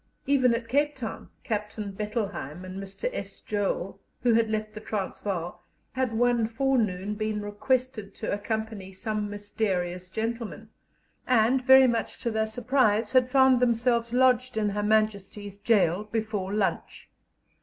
Even at Cape Town, Captain Bettelheim and Mr. S. Joel, who had left the Transvaal, had one forenoon been requested to accompany some mysterious gentleman, and, very much to their surprise, had found themselves lodged in Her Majesty's gaol before lunch.